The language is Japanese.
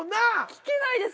聞けないですよ。